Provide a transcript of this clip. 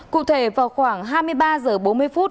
cụ thể vào khoảng hai mươi ba h bốn mươi phút